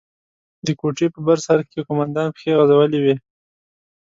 د کوټې په بر سر کښې قومندان پښې غځولې وې.